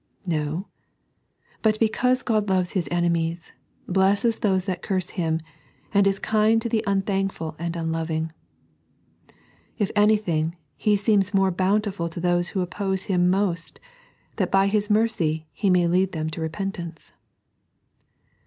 No, But because God loves His enemies, blesses those that curse Him, and is kind to the unthankful and unloving. If anything. He seems more bountiful to those who oppose Him most, that by His mercy He may lead them to repentance.